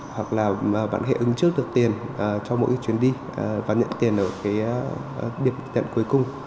hoặc là bạn hãy ứng trước được tiền cho mỗi chuyến đi và nhận tiền ở cái điểm nhận cuối cùng